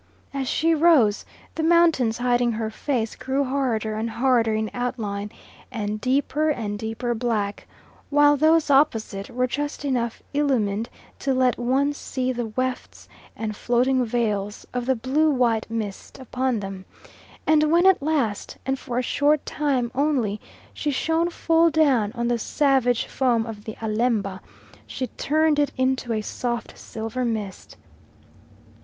As she rose, the mountains hiding her face grew harder and harder in outline, and deeper and deeper black, while those opposite were just enough illumined to let one see the wefts and floating veils of blue white mist upon them, and when at last, and for a short time only, she shone full down on the savage foam of the Alemba, she turned it into a soft silver mist.